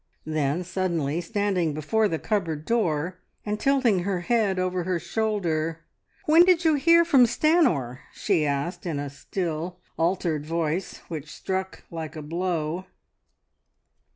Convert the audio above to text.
Then suddenly, standing before the cupboard door, and tilting her head over her shoulder, "When did you hear from Stanor?" she asked, in a still, altered voice which struck like a blow.